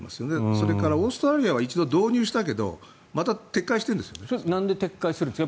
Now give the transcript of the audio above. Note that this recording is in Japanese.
それからオーストラリアは一度導入したけどなんで撤回するんですか？